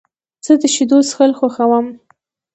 زه د شیدو څښل خوښوم.